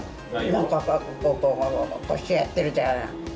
なんかこうこう、こうしてやってるじゃない？